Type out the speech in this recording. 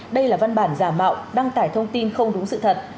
đây là văn bản giả mạo đăng tải thông tin không đúng sự thật